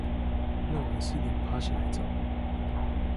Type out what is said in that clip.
那晚四點爬起來找